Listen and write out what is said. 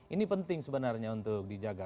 ini penting sebenarnya untuk dijaga